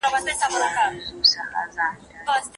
استاد باید شاګرد ته خپله خپلواکي ورکړي.